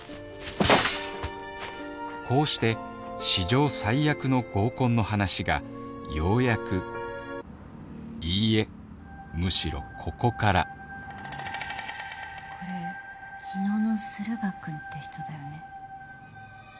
こうして史上最悪の合コンの話がようやくいいえむしろここからこれ昨日の駿河くんって人だよね。